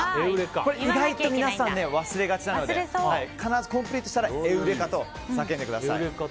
これ、意外と皆さん忘れがちなので必ずコンプリートしたらエウレカ！と叫んでください。